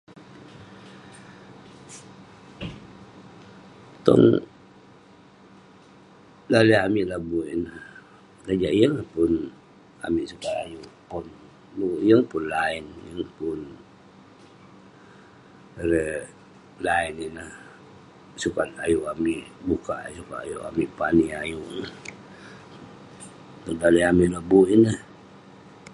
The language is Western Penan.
Tong.. daleh amik lak buwik ineh, tajak yeng pun amik sukat alek pon, dukuk yeng pun line, yeng pun erey..line ineh sukat ayuk amik bukak, sukat ayuk amik pani ayuk neh, tong daleh amik lak buwik ineh..